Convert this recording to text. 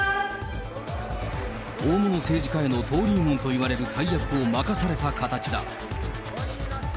大物政治家への登竜門といわれる大役を任された形だ。